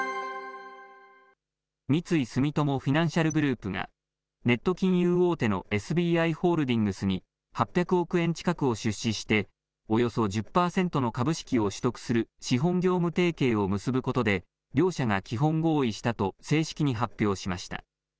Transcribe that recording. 三井住友フィナンシャルグループが、ネット金融大手のＳＢＩホールディングスに８００億円近くを出資して、およそ１０％の株式を取得する資本業務提携を結ぶことで、両社が基本合意したと、正式に発表しました。